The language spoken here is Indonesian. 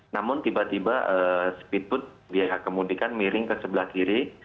namun tiba tiba speedboat dia kemudikan miring ke sebelah kiri